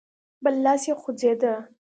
بل لاس يې خوځېده.